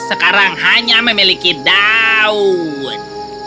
sekarang hanya memiliki daun